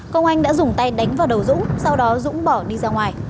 công anh đã dùng tay đánh vào đầu dũng sau đó dũng bỏ đi ra ngoài